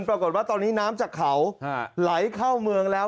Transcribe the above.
ปรากฏว่าตอนนี้น้ำจากเขาไหลเข้าเมืองแล้ว